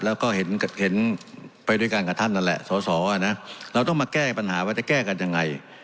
แล้วก็เห็นไปด้วยกันกับท่านนั่นแหละสอสอนะเราต้องมาแก้ปัญหาว่าจะแก้กันยังไง